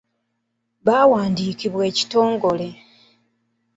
Baawandiikibwa ekitongole.